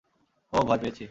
ওহ, ভয় পেয়েছি!